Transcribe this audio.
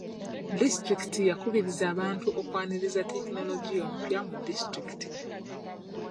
Disitulikiti yakubiriza abantu okwaniriza tekinologiya omupya mu disitulikiti.